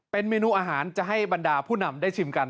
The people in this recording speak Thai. เป็นเมนูอาหารจะให้บรรดาผู้นำได้ชิมกัน